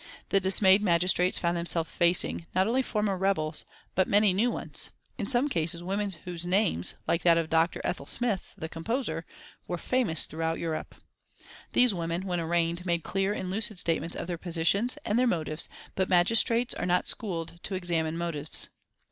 The dismayed magistrates found themselves facing, not only former rebels, but many new ones, in some cases, women whose names, like that of Dr. Ethel Smyth, the composer, were famous throughout Europe. These women, when arraigned, made clear and lucid statements of their positions and their motives, but magistrates are not schooled to examine motives.